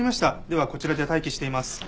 ではこちらで待機しています。